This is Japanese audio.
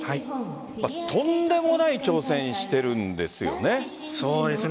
とんでもない挑戦しているんですよね。